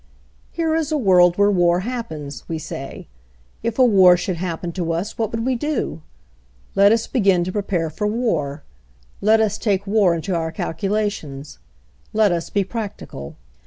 "Here is a world where war happens," we say. "If a war should happen to us what would we do? Let us begin to prepare for war. Let us take war into our calculations. Let us be practical."